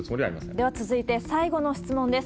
では続いて、最後の質問です。